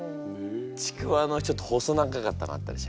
ちくわのちょっと細長かったのあったでしょ？